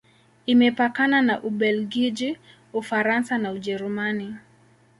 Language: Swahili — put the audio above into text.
Imepakana na Ubelgiji, Ufaransa na Ujerumani.